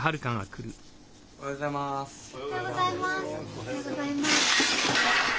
おはようございます。